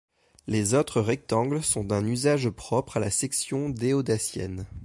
Les autres rectangles sont d’un usage propre à la section déodatienne.